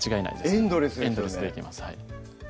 エンドレスでいけます